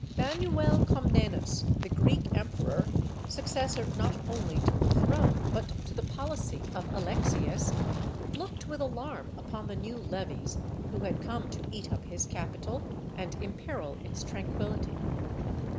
] Manuel Comnenus, the Greek emperor, successor not only to the throne but to the policy of Alexius, looked with alarm upon the new levies who had come to eat up his capital and imperil its tranquillity.